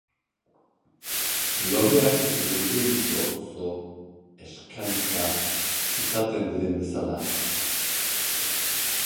Loreak lurrin gozo eskainka izaten diren bezala.